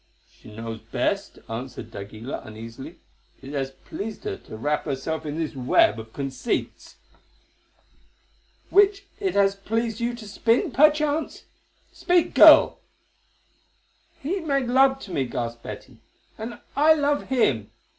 "She knows best," answered d'Aguilar uneasily. "It has pleased her to wrap herself in this web of conceits." "Which it has pleased you to spin, perchance. Speak, girl!" "He made love to me," gasped Betty; "and I love him.